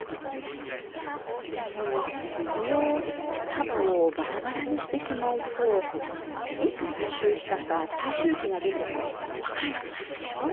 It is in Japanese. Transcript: でもこの束をバラバラにしてしまうといつ採集したか採集地がどこか分からなくなるでしょ。